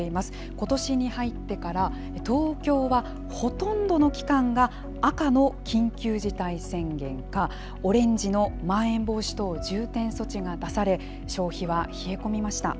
ことしに入ってから、東京はほとんどの期間が赤の緊急事態宣言か、オレンジのまん延防止等重点措置が出され、消費は冷え込みました。